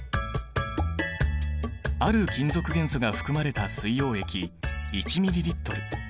ある金属元素が含まれた水溶液１ミリリットル。